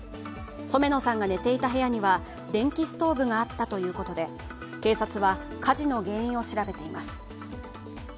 染野さんが寝ていた部屋には電気ストーブがあったということで警察は、火事の原因を調べています。